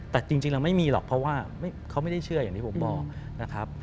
แต่จริงเราไม่มีหรอกเพราะว่าเขาไม่ได้เชื่ออย่างที่ผมบอกนะครับ